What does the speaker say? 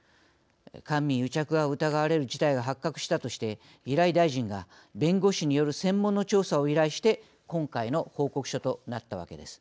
官民癒着が疑われる事態が発覚したとして平井大臣が弁護士による専門の調査を依頼して今回の報告書となったわけです。